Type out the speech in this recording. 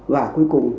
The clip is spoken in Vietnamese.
và cuối cùng